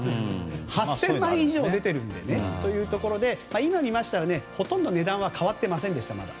８０００枚以上出ているということなので今見ましたら、ほとんど値段は変わっていませんでした。